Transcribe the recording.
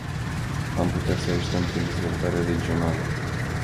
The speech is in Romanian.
Am putea să îi ajutăm prin dezvoltarea regională.